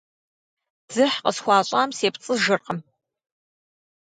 Дзыхь къысхуащӀам сепцӀыжыркъым.